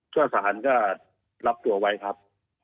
ก็สารก็รับตัวไว้ครับ